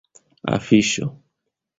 afiŝo